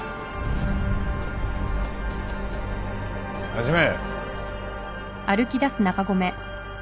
始め。